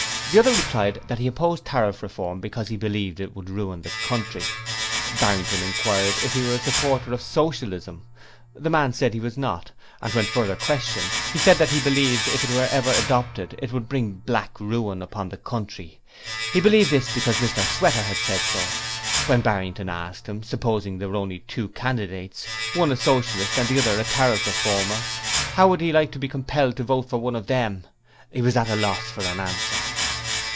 The other replied that he opposed Tariff Reform because he believed it would ruin the country. Barrington inquired if he were a supporter of Socialism. The man said he was not, and when further questioned he said that he believed if it were ever adopted it would bring black ruin upon the country he believed this because Mr Sweater had said so. When Barrington asked him supposing there were only two candidates, one a Socialist and the other a Tariff Reformer how would he like to be compelled to vote for one of them, he was at a loss for an answer.